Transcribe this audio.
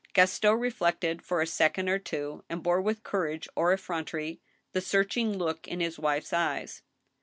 Gaston reflected for a second or two, and bore with courage or effrontery the searching look in his wife's eyes.